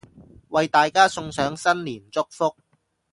為大家送上新年祝福